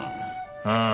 ああ。